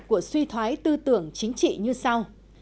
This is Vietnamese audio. của suy thoái tư tưởng chính trị như sau